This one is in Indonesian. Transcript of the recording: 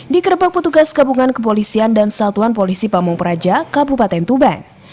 digerebek petugas gabungan kepolisian dan satuan polisi pamung praja kabupaten tuban